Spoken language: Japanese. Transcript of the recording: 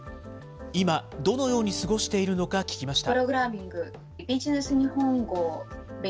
今、どのように過ごしているのか聞きました。